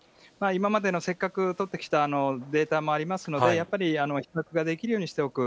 今までのせっかく取ってきたデータもありますので、やっぱり比較ができるようにしておく。